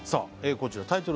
こちらタイトル